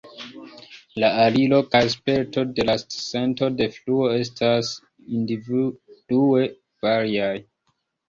La aliro kaj sperto de la sento de fluo estas individue variaj.